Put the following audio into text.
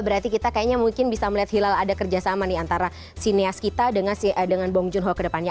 berarti kita kayaknya mungkin bisa melihat hilal ada kerjasama nih antara si neas kita dengan bong joon ho kedepannya